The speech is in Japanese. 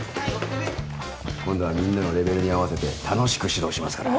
今度はみんなのレベルに合わせて楽しく指導しますから。